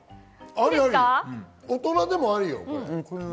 大人でもありよ。